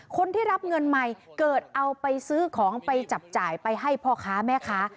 คนที่รับเงินใหม่เกิดเอาไปซื้อของไปจับจ่ายไปให้พ่อค้าแม่ค้า